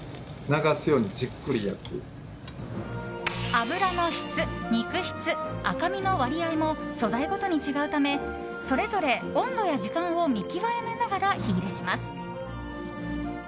脂の質、肉質、赤身の割合も素材ごとに違うためそれぞれ温度や時間を見極めながら火入れします。